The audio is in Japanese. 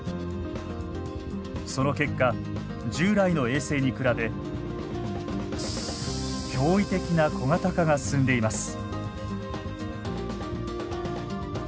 その結果従来の衛星に比べ驚異的な小型化が進んでいます。